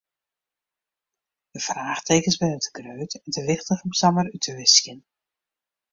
De fraachtekens binne te grut en te wichtich om samar út te wiskjen.